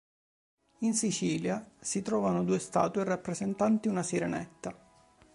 In Sicilia si trovano due statue rappresentanti una Sirenetta.